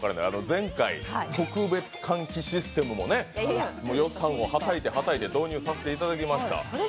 前回、特別換気システムを予算をはたいてはたいて導入させていただきました。